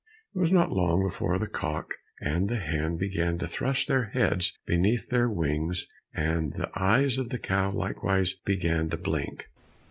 It was not long before the cock and the hen began to thrust their heads beneath their wings, and the eyes of the cow likewise began to blink.